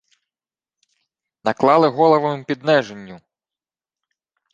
— Наклали головами під Нежинню!